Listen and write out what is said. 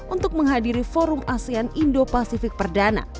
untuk menghadiri forum asean indo pacific perdana